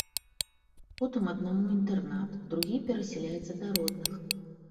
Потым аднаму інтэрнат, другі перасяляецца да родных.